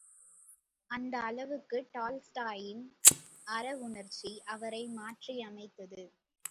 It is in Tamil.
அந்த அளவுக்கு டால்ஸ்டாயின் அறவுணர்ச்சி அவரை மாற்றி அமைத்தது.